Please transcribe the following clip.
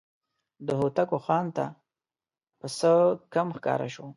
د هوتکو خان ته پسه کم ښکاره شو.